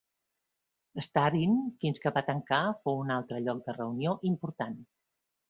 L'Star Inn, fins que va tancar, fou un altre lloc de reunió important.